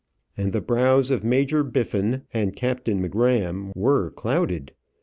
And the brows of Major Biffin and Captain M'Gramm were clouded.